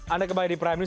anda kembali di prime ini